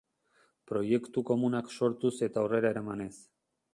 Proiektu komunak sortuz eta aurrera eramanez.